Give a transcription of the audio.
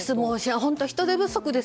本当に人手不足です。